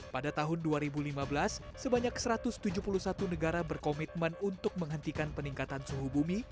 pada tahun dua ribu lima belas sebanyak satu ratus tujuh puluh satu negara berkomitmen untuk menghentikan peningkatan suhu bumi